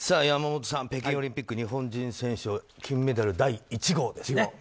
山本さん、北京オリンピック日本人選手金メダル第１号ですね。